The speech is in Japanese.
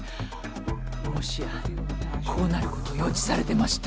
もしやこうなること予知されてました？